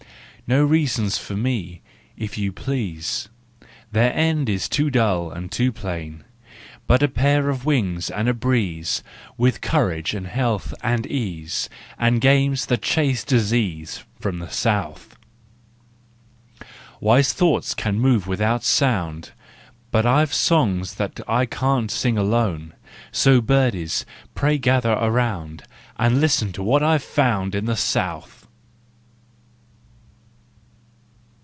No reasons for me, if you please; Their end is too dull and too plain ; But a pair of wings and a breeze, With courage and health and ease, And games that chase disease From the South! Wise thoughts can move without sound, But I've songs that I can't sing alone; So birdies, pray gather around, And listen to what I have found In the South!